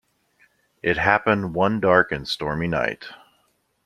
It happened one dark and stormy night.